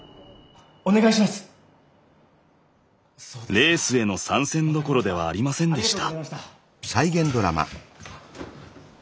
レースへの参戦どころではありませんでした。